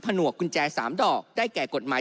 หนวกกุญแจ๓ดอกได้แก่กฎหมาย